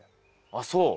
あっそう。